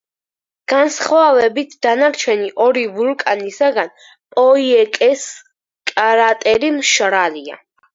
განსხვავებით დანარჩენი ორი ვულკანისაგან, პოიკეს კრატერი მშრალია.